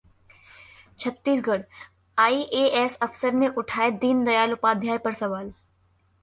Chhattisgarh: ISS अफसर ने उठाए दीनदयाल उपाध्याय पर सवाल